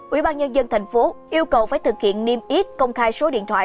ủy ban nhân dân thành phố yêu cầu phải thực hiện niêm yết công khai số điện thoại